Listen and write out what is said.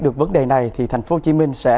được vấn đề này thì thành phố hồ chí minh sẽ